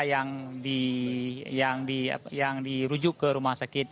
yang dirujuk ke rumah sakit